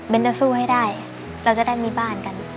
เป็นจะสู้ให้ได้เราจะได้มีบ้านกัน